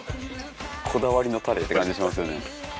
こだわりのタレって感じしますよね。